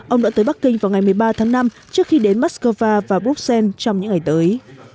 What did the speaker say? ông đã tới bắc kinh vào ngày một mươi ba tháng năm trước khi đến moscow và bruxelles trong những ngày tới